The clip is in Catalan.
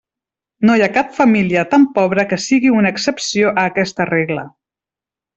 No hi ha cap família tan pobra que sigui una excepció a aquesta regla.